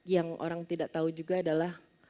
yang orang tidak tahu juga adalah